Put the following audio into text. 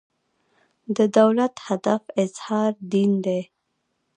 د دولت هدف اظهار دین دی.